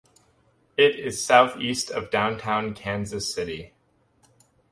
It is southeast of downtown Kansas City.